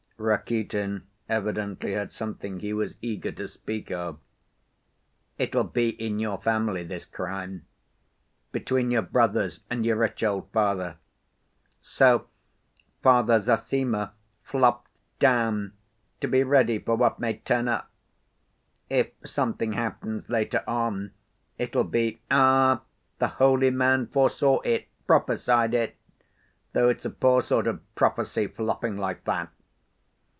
Rakitin evidently had something he was eager to speak of. "It'll be in your family, this crime. Between your brothers and your rich old father. So Father Zossima flopped down to be ready for what may turn up. If something happens later on, it'll be: 'Ah, the holy man foresaw it, prophesied it!' though it's a poor sort of prophecy, flopping like that.